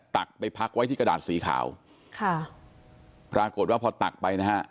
ตักไปพักไว้ที่กระดาษสีขาวค่ะปรากฏว่าพอตักไปนะฮะ